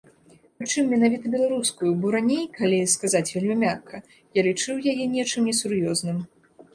Прычым менавіта беларускую, бо раней, калі сказаць вельмі мякка, я лічыў яе нечым несур'ёзным.